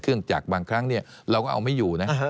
เครื่องจักรบางครั้งเราก็เอาไม่อยู่นะ